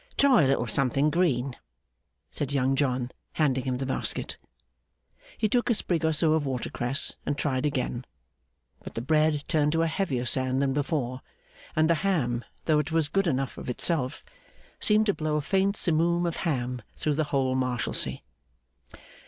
'Try a little something green,' said Young John, handing him the basket. He took a sprig or so of water cress, and tried again; but the bread turned to a heavier sand than before, and the ham (though it was good enough of itself) seemed to blow a faint simoom of ham through the whole Marshalsea.